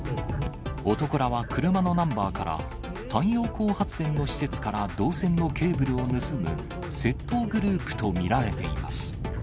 男らは車のナンバーから、太陽光発電の施設から銅線のケーブルを盗む、窃盗グループと見られています。